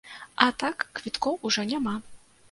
А так, квіткоў ужо няма.